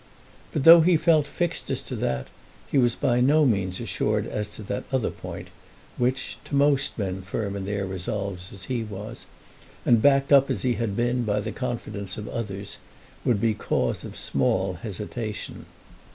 But though he felt fixed as to that, he was by no means assured as to that other point, which to most men firm in their resolves as he was, and backed up as he had been by the confidence of others, would be cause of small hesitation.